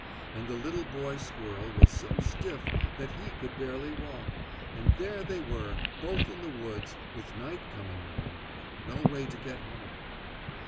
And the little boy squirrel was so stiff that he could barely walk, and there they were, both in the woods, with night coming on, and no way to get home.